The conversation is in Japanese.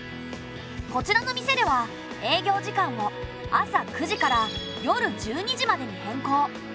こちらの店では営業時間を朝９時から夜１２時までに変更。